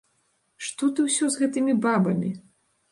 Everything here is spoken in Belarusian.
Што ты ўсё з гэтымі бабамі?